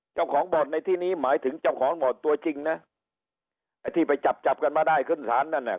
เจ้าของบ่อนในที่นี้หมายถึงเจ้าของบ่อนตัวจริงนะไอ้ที่ไปจับจับกันมาได้ขึ้นศาลนั่นน่ะ